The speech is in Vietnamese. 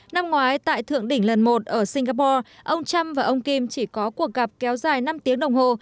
năm ngoái tại thượng đỉnh lần một ở singapore ông trump và ông kim chỉ có cuộc gặp kéo dài năm tiếng đồng hồ